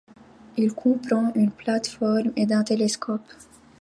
Il comprend une plate-forme et d'un télescope.